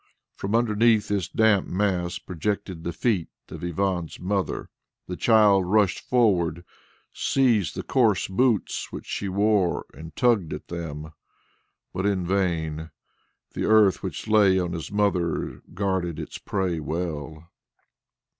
From underneath this damp mass projected the feet of Ivan's mother. The child rushed forward, seized the coarse boots which she wore and tugged at them, but in vain; the earth which lay on his mother guarded its prey well.